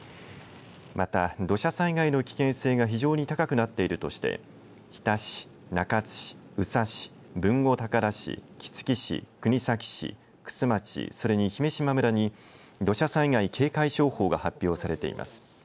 また、土砂災害の危険性が非常に高くなっているとして日田市、中津市宇佐市、豊後高田市杵築市玖珠町、それに姫島村に土砂災害警戒情報が発表されています。